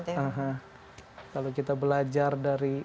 kalau kita belajar dari